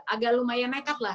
agak lumayan nekat lah